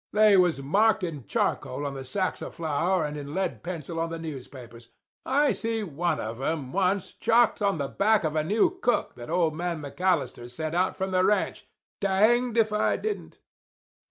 They was marked in charcoal on the sacks of flour and in lead pencil on the newspapers. I see one of 'em once chalked on the back of a new cook that old man McAllister sent out from the ranch—danged if I didn't."